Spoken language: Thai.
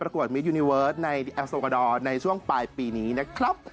ก็เป็นกำลังใจ